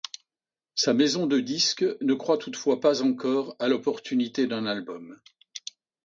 Sa maison de disque ne croit toutefois pas encore à l'opportunité d'un album.